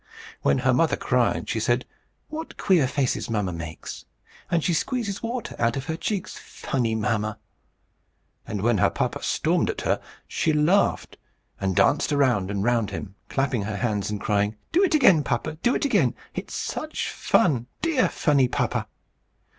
When her mother cried, she said, "What queer faces mamma makes! And she squeezes water out of her cheeks? Funny mamma!" And when her papa stormed at her, she laughed, and danced round and round him, clapping her hands, and crying, "Do it again, papa. Do it again! It's such fun! Dear, funny papa!"